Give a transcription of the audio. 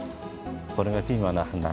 これがピーマンのはな。